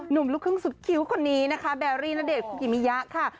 หนุ่มลูกครึ่งสุดคิวคนนี้นะคะแบร์รี่นาเดชน์คุกิมิยะค่ะ